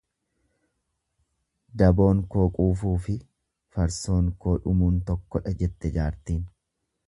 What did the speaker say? Daboon koo quufuufi farsoon koo dhumuun tokkoodha jette jaartiin.